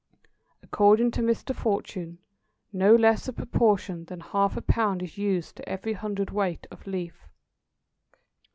According to Mr. Fortune, no less a proportion than half a pound is used to every hundred weight of leaf.